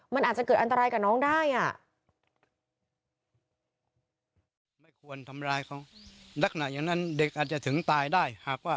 มันอาจจะเกิดอันตรายกับน้องได้อ่ะ